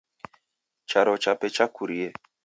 Charo chape chakurie.